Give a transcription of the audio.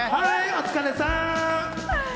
お疲れさん。